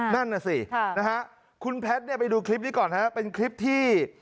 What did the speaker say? นั่นน่ะสินะฮะคุณแพทย์เนี่ยไปดูคลิปนี้ก่อนฮะเป็นคลิปที่